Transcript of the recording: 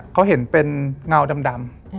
เขาเห็นเป็นเงาดำ